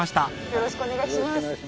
よろしくお願いします